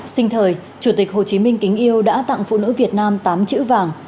sinh thời chủ tịch hồ chí minh kính yêu đã tặng phụ nữ việt nam tám chữ vàng